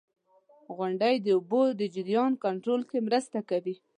• غونډۍ د اوبو د جریان کنټرول کې مرسته کوي.